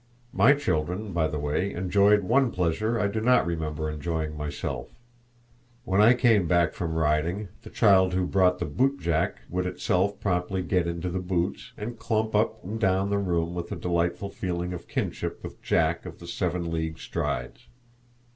My children, by the way, enjoyed one pleasure I do not remember enjoying myself. When I came back from riding, the child who brought the bootjack would itself promptly get into the boots, and clump up and down the room with a delightful feeling of kinship with Jack of the seven league strides.